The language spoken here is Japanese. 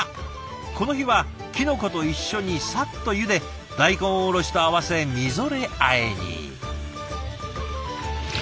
この日はキノコと一緒にサッとゆで大根おろしと合わせみぞれあえに。